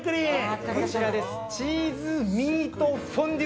チーズミートフォンデュ